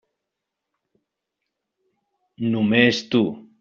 Només tu.